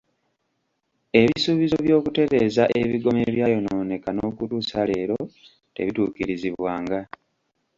Ebisuubizo by'okutereeza ebigoma ebyayonooneka n'okutuusa leero tebituukirizibwanga.